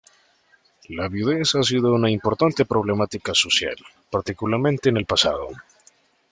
La viudez ha sido una importante problemática social, particularmente en el pasado.